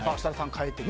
変えて緑。